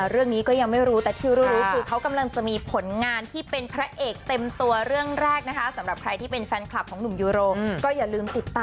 เรื่องนี้ก็ยังไม่รู้แต่ที่รู้คือเขากำลังจะมีผลงานที่เป็นพระเอกเต็มตัวเรื่องแรกนะคะ